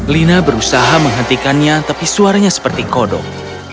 lina berusaha menghentikannya tapi suaranya seperti kodok